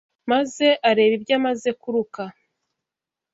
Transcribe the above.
Maze areba ibyo amaze kuruka